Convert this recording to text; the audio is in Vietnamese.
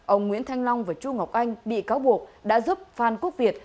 ông nguyễn thanh long và chu ngọc anh bị cáo buộc đã giúp phan quốc việt